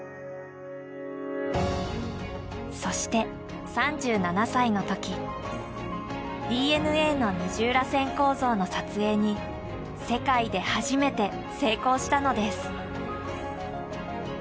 そして３７歳の時ＤＮＡの二重らせん構造の撮影に世界で初めて成功したのです。